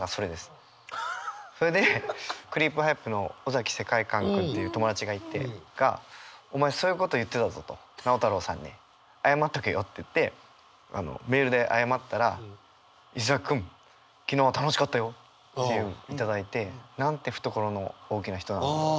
それでクリープハイプの尾崎世界観君っていう友達がいてが「お前そういうこと言ってたぞ」と「直太朗さんに謝っとけよ」って言ってメールで謝ったら「石崎君昨日は楽しかったよ」という頂いてなんて懐の大きな人なんだろうと。